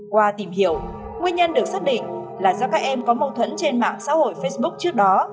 qua tìm hiểu nguyên nhân được xác định là do các em có mâu thuẫn trên mạng xã hội facebook trước đó